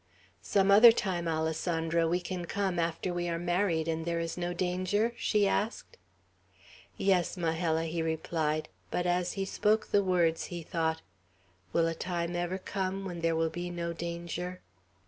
"Some other time, Alessandro, we can come, after we are married, and there is no danger?" she asked. "Yes, Majella," he replied; but as he spoke the words, he thought, "Will a time ever come when there will be no danger?"